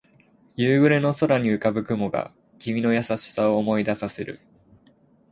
夕暮れの空に浮かぶ雲が君の優しさを思い出させる